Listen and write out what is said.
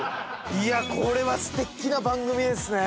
いやこれは素敵な番組ですね